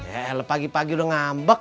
eh lu pagi pagi udah ngambek